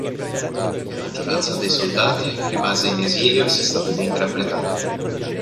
La maggioranza dei soldati rimase in esilio e si stabilì in Gran Bretagna.